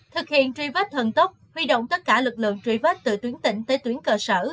thực hiện truy vết thần tốc huy động tất cả lực lượng truy vết từ tuyến tỉnh tới tuyến cơ sở